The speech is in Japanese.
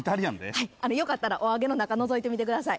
はいよかったらお揚げの中のぞいてみてください